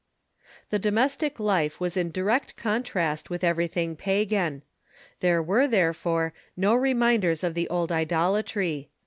The domestic life was in direct contrast with everything pagan. There were, therefore, no reminders of the old idola try.